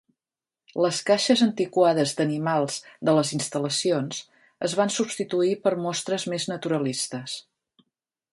Les caixes antiquades d'animals de les instal·lacions es van substituir per mostres més naturalistes.